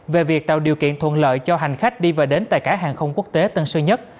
về việc tạo điều kiện thuận lợi cho hành khách đi và đến tại cảng hàng không quốc tế tân sơn nhất